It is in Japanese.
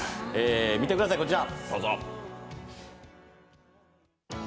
見てください、こちら！